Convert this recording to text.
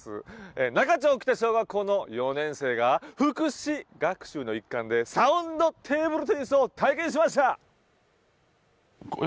中町北小学校の４年生が福祉学習の一環でサウンドテーブルテニスを体験しました。